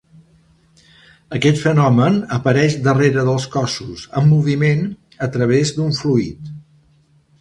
Aquest fenomen apareix darrere dels cossos en moviment a través d'un fluid.